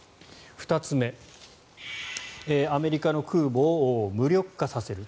２つ目、アメリカの空母を無力化させる。